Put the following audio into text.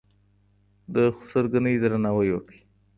د خسرګنۍ درناوی وکړئ.